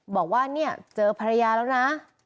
บอกว่าเนี่ยเจอภรรยาแล้วนะ